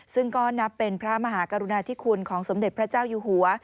ซึ่งก็นับเป็นพระมหากรุณาธิคุณของสมเด็จพระเจ้าอยู่หัว